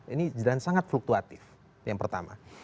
ini jalan sangat fluktuatif yang pertama